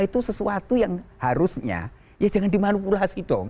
itu sesuatu yang harusnya ya jangan dimanipulasi dong